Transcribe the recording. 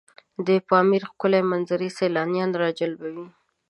د پامیر ښکلي منظرې سیلانیان راجلبوي.